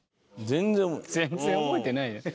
全然覚えてないじゃん。